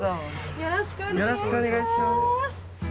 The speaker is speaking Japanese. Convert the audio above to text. よろしくお願いします。